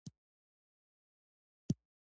د پښتنو په کلتور کې د شعر ژبه ډیره اغیزناکه ده.